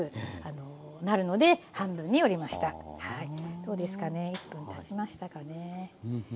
どうですかね１分たちましたかね。